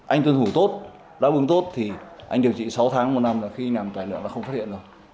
anh tuân thủ tốt đáp ứng tốt thì anh điều trị sáu tháng một năm là khi làm tài liệu là không phát hiện rồi